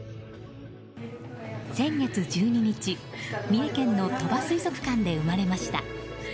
先月１２日、三重県の鳥羽水族館で生まれました。